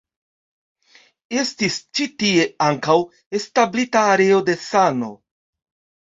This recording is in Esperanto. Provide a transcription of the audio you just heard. Estis ĉi tie ankaŭ establita areo de sano.